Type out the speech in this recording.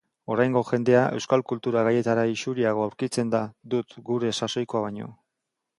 Oraingo jendea euskal kultura gaietara isuriagoa aurkitzen dut gure sasoikoa baino.